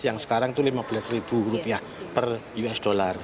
yang sekarang itu rp lima belas per usd